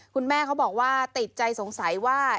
คุณแม่เขาบอกว่าติดใจสงสัยว่า